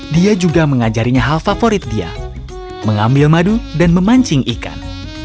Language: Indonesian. dia juga mengajarinya hal favorit dia mengambil madu dan memancing ikan